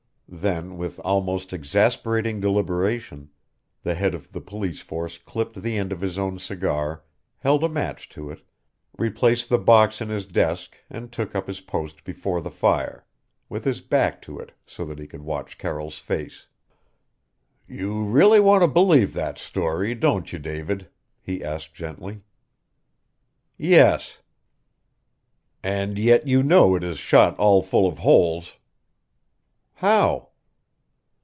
Then, with almost exasperating deliberation, the head of the police force clipped the end of his own cigar, held a match to it, replaced the box in his desk and took up his post before the fire with his back to it so that he could watch Carroll's face. "You really want to believe that story, don't you, David?" he asked gently. "Yes." "And yet you know it is shot all full of holes." "How?"